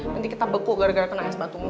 nanti kita beku gara gara kena es batu